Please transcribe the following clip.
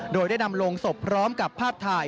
โดยได้นำลงศพพร้อมกับภาพถ่าย